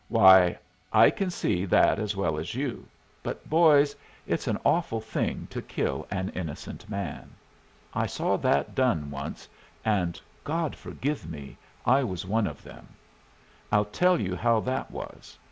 Why, I can see that as well as you. But, boys! it's an awful thing to kill an innocent man! I saw that done once, and God forgive me! I was one of them. I'll tell you how that was.